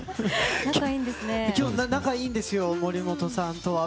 仲がいいんですよ森本さんとは。